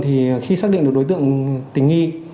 thì khi xác định được đối tượng tình nghi